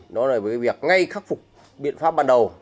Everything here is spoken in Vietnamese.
đó là với việc ngay khắc phục biện pháp ban đầu